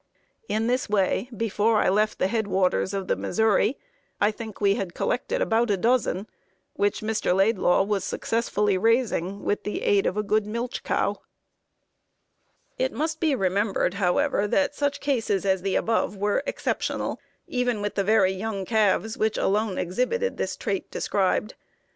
In this way, before I left the headwaters of the Missouri, I think we had collected about a dozen, which Mr. Laidlaw was successfully raising with the aid of a good milch cow." [Note 27: North American Indians, I, 255.] It must be remembered, however, that such cases as the above were exceptional, even with the very young calves, which alone exhibited the trait described.